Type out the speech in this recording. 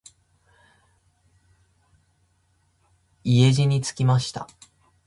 家路につきました。